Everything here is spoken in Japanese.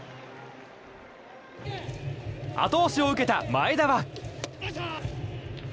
後押しを受けた前田は。